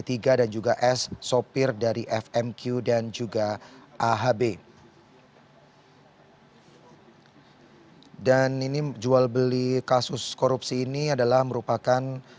yang diinginkan separuh di amerika